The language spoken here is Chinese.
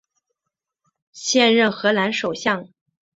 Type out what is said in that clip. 现任荷兰首相。